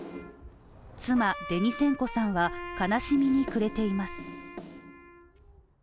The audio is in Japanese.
妻・デニセンコさんは悲しみに暮れています。